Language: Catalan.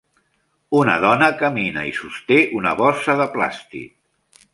Una dona camina i sosté una bossa de plàstic.